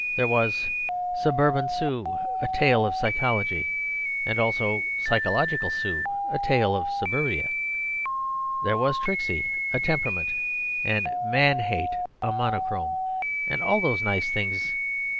There was "Suburban Sue: A Tale of Psychology," and also "Psychological Sue: A Tale of Suburbia"; there was "Trixy: A Temperament," and "Man Hate: A Monochrome," and all those nice things.